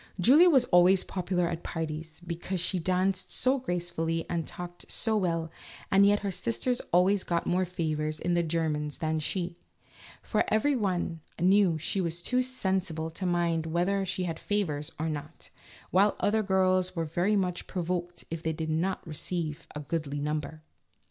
Julia was always popular at parties because she danced so gracefully and talked so well, and yet her sisters usually got more favors in the German than she, for everybody knew she was too sensible to mind whether she had favors or not, while other girls were very much provoked if they did not re ceive a goodly number.